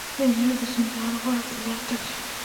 انجینر د ستونزې د حل غوره لاره ټاکي.